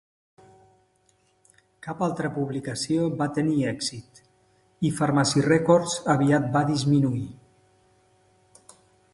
Cap altra publicació va tenir èxit, i Fharmacy Records aviat va disminuir.